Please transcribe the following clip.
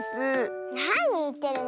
なにいってるの。